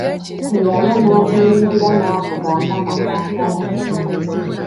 Teyalwa n'agiyingira n'avuga mpaka kampala.